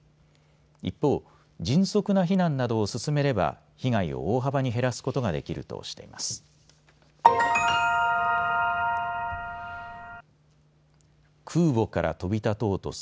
一方、迅速な避難などを進めれば被害を大幅に減らすことができるとしています。